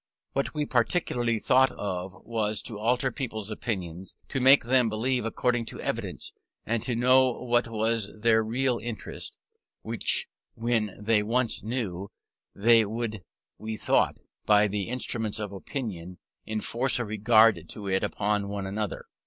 What we principally thought of, was to alter people's opinions; to make them believe according to evidence, and know what was their real interest, which when they once knew, they would, we thought, by the instrument of opinion, enforce a regard to it upon one another.